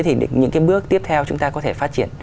thì những cái bước tiếp theo chúng ta có thể phát triển